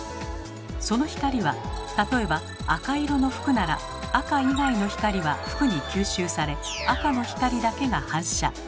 その光は例えば赤色の服なら赤以外の光は服に吸収され赤の光だけが反射。